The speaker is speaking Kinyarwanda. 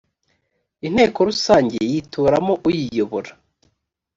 inteko rusange yitoramo uyiyobora.